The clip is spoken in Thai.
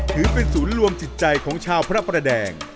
ถือเป็นศูนย์รวมจิตใจของชาวพระประแดง